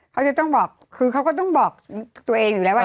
เขาจะต้องบอกคือเขาก็ต้องบอกตัวเองอยู่แล้วว่า